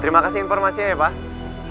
terima kasih informasinya ya pak